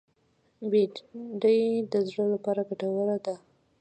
بېنډۍ د زړه لپاره ګټوره ده